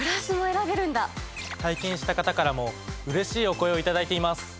体験した方からもうれしいお声を頂いています。